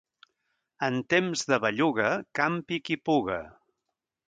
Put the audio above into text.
En temps de belluga, campi qui puga.